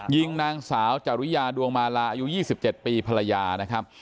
ยิงนางสาวจริยาดวงมาลาอายุ๒๗ปีภรรยานะครับ